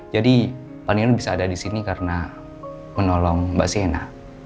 jadi panino bisa ada di sini karena menolong mbak sienna